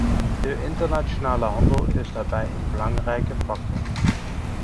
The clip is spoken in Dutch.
De internationale handel is daarbij een belangrijke factor.